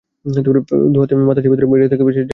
দুহাতে মাথা চেপে ধরে রেডিও থেকে ভেসে আসা যাবতীয় কথা শোনেন।